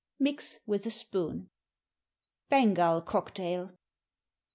Mix with a spoon. _Bengal Cocktail.